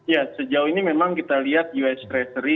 ya sejauh ini memang kita lihat us treasury